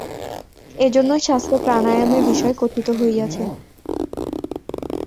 এইজন্যই শাস্ত্রে প্রাণায়ামের বিষয় কথিত হইয়াছে।